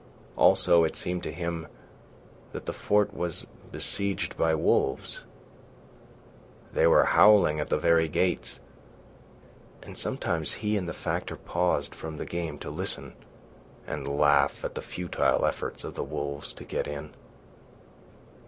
Also, it seemed to him that the fort was besieged by wolves. They were howling at the very gates, and sometimes he and the Factor paused from the game to listen and laugh at the futile efforts of the wolves to get in.